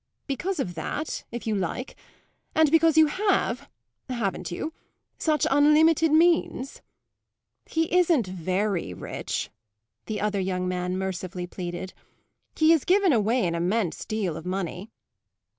"Because of that, if you like; and because you have haven't you? such unlimited means." "He isn't very rich," the other young man mercifully pleaded. "He has given away an immense deal of money."